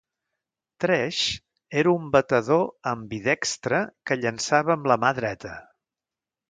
Tresh era un batedor ambidextre que llençava amb la mà dreta.